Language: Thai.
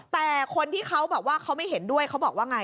แต่คนที่เขาบอกว่าเขาไม่เห็นด้วยเขาบอกว่าไง